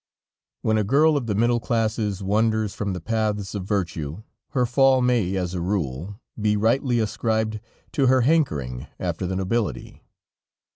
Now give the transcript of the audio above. When a girl of the middle classes wanders from the paths of virtue, her fall may, as a rule, be rightly ascribed to her hankering after the nobility.